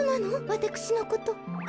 わたくしのこと。